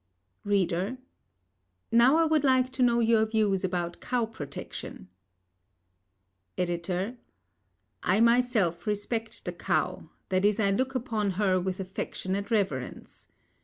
READER: Now I would like to know your views about cow protection. EDITOR: I myself respect the cow, that is I look upon her with affectionate reverence.